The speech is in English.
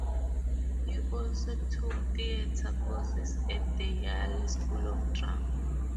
He also took theatre courses at the Yale School of Drama.